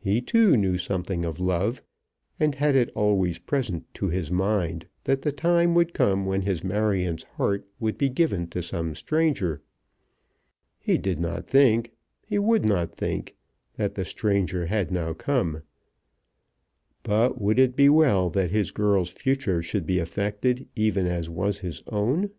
He too knew something of love, and had it always present to his mind that the time would come when his Marion's heart would be given to some stranger. He did not think, he would not think, that the stranger had now come; but would it be well that his girl's future should be affected even as was his own?